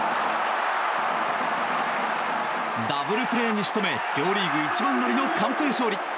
ダブルプレーに仕留め両リーグ一番乗りの完封勝利。